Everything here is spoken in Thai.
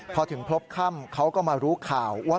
พอถึงพบค่ำเขาก็มารู้ข่าวว่า